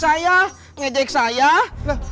belum tergantung pyarlath